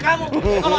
kalau ada klan klan